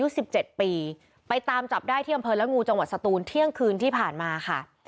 สิบเจ็ดปีไปตามจับได้ที่อำเภอละงูจังหวัดสตูนเที่ยงคืนที่ผ่านมาค่ะ